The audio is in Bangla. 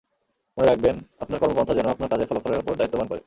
মনে রাখবেন আপনার কর্মপন্থা যেন আপনার কাজের ফলাফলের ওপর দায়িত্ববান করে।